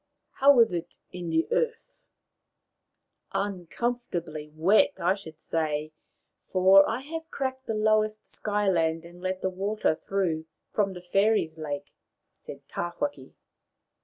How is it in the earth ?"" Uncomfortably wet, I should say, for I have cracked the lowest Sky land and let the water through from the fairies' lake," said Tawhaki.